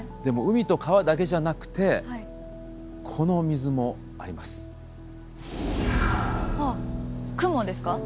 でも海と川だけじゃなくてこの水もあります。